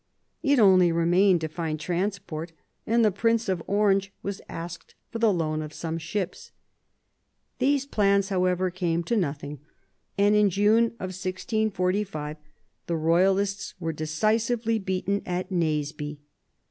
It only remained to find transport, and the Prince of Orange was asked for the loan of some ships. These plans, however, came to nothing, and in June 1645 the Eoyalists were decisively beaten at Naseby.